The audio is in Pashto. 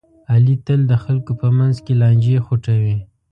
علي تل د خلکو په منځ کې لانجې خوټوي.